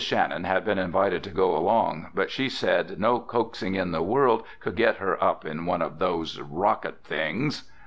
Shannon had been invited to go along but she said no coaxing in the world could get her up in one of those "rocket things."